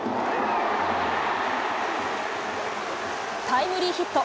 タイムリーヒット。